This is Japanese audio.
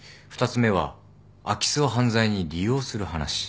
２つ目は空き巣を犯罪に利用する話。